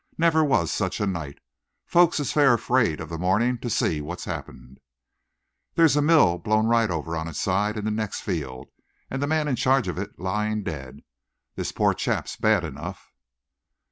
Never was such a night! Folks is fair afraid of the morning to see what's happened. There's a mill blown right over on its side in the next field, and the man in charge of it lying dead. This poor chap's bad enough."